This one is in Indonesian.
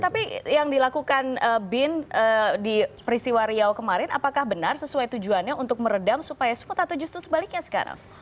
tapi yang dilakukan bin di peristiwa riau kemarin apakah benar sesuai tujuannya untuk meredam supaya smoot atau justru sebaliknya sekarang